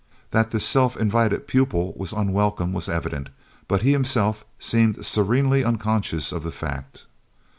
That this self invited pupil was unwelcome was evident, but he himself seemed serenely unconscious of the fact.